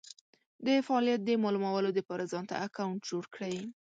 دفعالیت د مالومولو دپاره ځانته اکونټ جوړ کړی